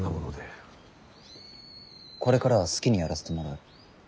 これからは好きにやらせてもらう。